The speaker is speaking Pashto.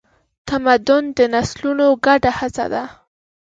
تمدن د نسلونو ګډه هڅه ده.